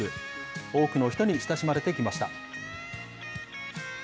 多くの人に親しまれてきました。